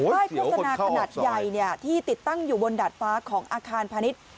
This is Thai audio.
โฆษณาขนาดใหญ่ที่ติดตั้งอยู่บนดาดฟ้าของอาคารพาณิชย์